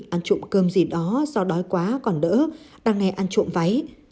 ăn trộm cơm gì đó do đói quá còn đỡ đang nghe ăn trộm váy